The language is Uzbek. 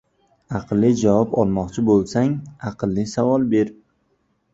Aqlli javob olmoqchi bo‘lsang — aqlli savol ber.